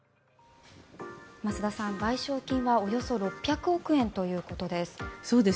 増田さん賠償金はおよそ６００億円ということです。